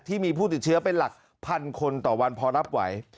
ที่มีผู้ติดเชื้อเป็นหลักพันคนต่อวันพอรับไหว